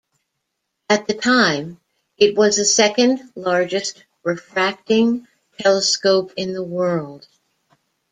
At the time, it was the second-largest refracting telescope in the world.